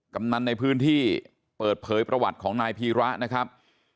กำนันในพื้นที่เปิดเผยประวัติของนายพีระนะครับ